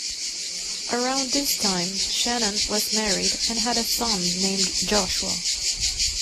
Around this time, Shannon was married and had a son named Joshua.